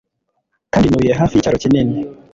kandi ntuye hafi yicyaro kinini